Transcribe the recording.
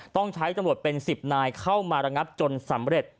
ต้องใช้ตำรวจเป็น๑๐นายเข้ามาระงับจนสำเร็จ